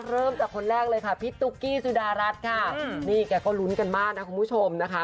เริ่มจากคนแรกเลยค่ะพี่ตุ๊กกี้สุดารัฐค่ะนี่แกก็ลุ้นกันมากนะคุณผู้ชมนะคะ